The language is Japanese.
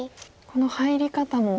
この入り方も。